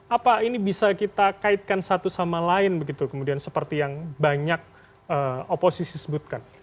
apa ini bisa kita kaitkan satu sama lain begitu kemudian seperti yang banyak oposisi sebutkan